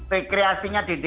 rekreasinya di dki